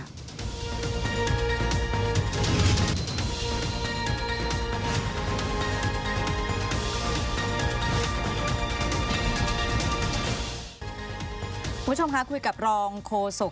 คุณผู้ชมคะคุยกับรองโฆษก